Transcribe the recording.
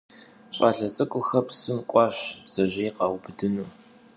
Ş'ale ts'ık'uxer psım k'uaş bdzejêy khaubıdınu.